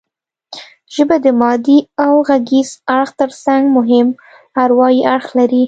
ژبه د مادي او غږیز اړخ ترڅنګ مهم اروايي اړخ لري